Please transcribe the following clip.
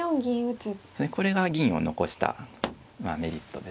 これが銀を残したメリットですね。